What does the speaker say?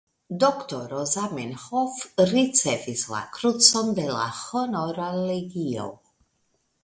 Doktoro Zamenhof ricevis la krucon de la Honora legio.